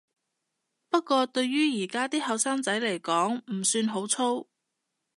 不過對於而家啲後生仔來講唔算好粗